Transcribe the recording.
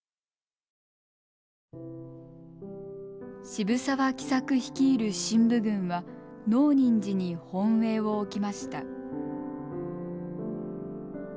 渋沢喜作率いる振武軍は能仁寺に本営を置きました。